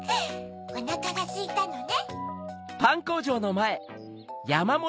おなかがすいたのね。